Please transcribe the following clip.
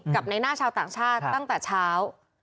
กับในหน้าชาวต่างชาติตั้งแต่เช้า